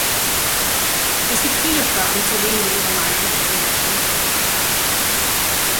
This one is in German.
Es gibt viele Fragen, zu denen wir Ihre Meinung hören möchten, Herr Prodi.